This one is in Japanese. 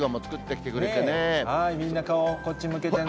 みんな顔、こっち向けてね。